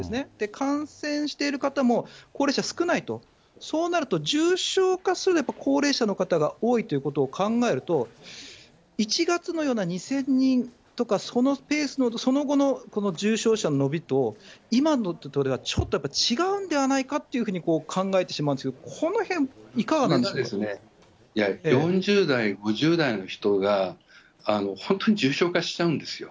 感染している方も、高齢者少ないと、そうなると重症化するのは高齢者の方が多いということを考えると、１月のような２０００人とかそのペースの、その後の重症者の伸びと今のはちょっと違うんではないかというふうに、考えてしまうんですけど、この辺、それがですね、４０代、５０代の人が、本当に重症化しちゃうんですよ。